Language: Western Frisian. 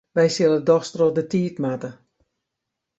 Wy sille dochs troch de tiid moatte.